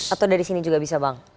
atau dari sini juga bisa bang